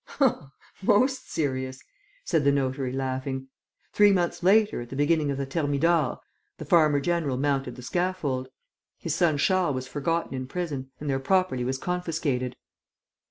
"Oh, most serious!" said the notary, laughing. "Three months later, at the beginning of Thermidor, the farmer general mounted the scaffold. His son Charles was forgotten in prison and their property was confiscated."